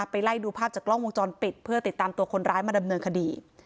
ไล่ดูภาพจากกล้องวงจรปิดเพื่อติดตามตัวคนร้ายมาดำเนินคดี